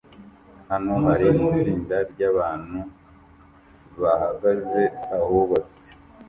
Hano hari itsinda ryabantu bahagaze ahubatswe